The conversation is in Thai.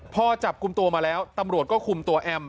พอจับกลุ่มตัวมาแล้วตำรวจก็คุมตัวแอม